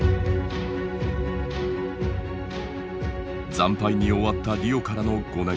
惨敗に終わったリオからの５年。